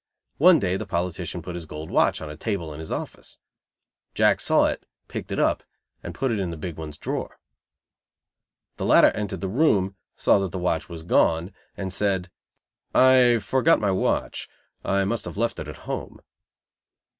One day the politician put his gold watch on a table in his office. Jack saw it, picked it up and put it in the Big One's drawer. The latter entered the room, saw that the watch was gone, and said: "I forgot my watch. I must have left it home."